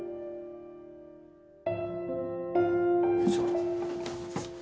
よいしょ。